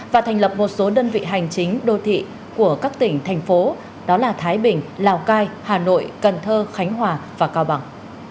và thành lập một số đơn vị hành chính đô thị của các tỉnh thành phố đó là thái bình lào cai hà nội cần thơ khánh hòa và cao bằng